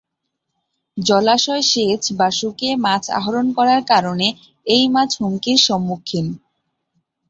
জলাশয় সেচ বা শুকিয়ে মাছ আহরণ করার কারণে এ মাছ হুমকির সম্মুখীন।